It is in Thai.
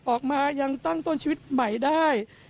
ออกมายังตั้งต้นชีวิตใหม่ได้